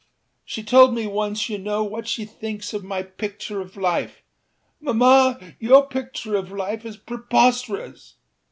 She told me once, you know, what she thinks of my picture of life. âMamma, your picture of life is preposterous!